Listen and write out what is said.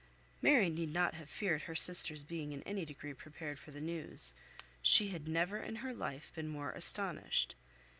Mary need not have feared her sister's being in any degree prepared for the news. She had never in her life been more astonished.